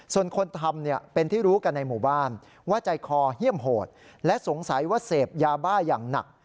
ส่วนคนทำเป็นที่รู้กันในหมู่บ้านว่าใจคอเฮี่ยมโหดและสงสัยว่าเสพยาบ้าอย่างหนัก